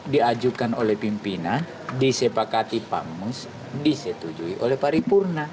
diajukan oleh pimpinan disepakati pamus disetujui oleh paripurna